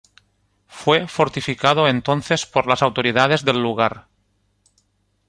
Fue fortificado entonces por las autoridades del lugar.